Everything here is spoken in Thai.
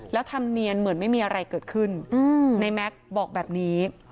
แล้วทำเนียนเหมือนไม่มีอะไรเกิดขึ้นในแม็กซ์บอกแบบนี้